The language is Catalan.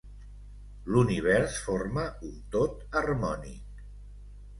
L'Univers forma un tot harmònic.